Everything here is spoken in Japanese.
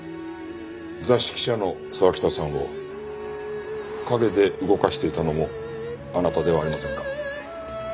雑誌記者の沢北さんを陰で動かしていたのもあなたではありませんか？